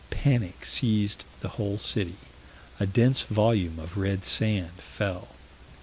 "Panic seized the whole city." "A dense volume of red sand fell."